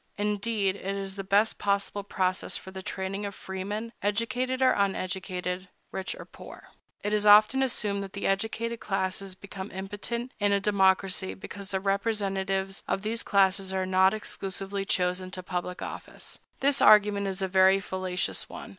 Indeed, it is the best possible process for the training of freemen, educated or uneducated, rich or poor.It is often assumed that the educated classes become impotent in a democracy, because the representatives of those classes are not exclusively chosen to public office. This argument is a very fallacious one.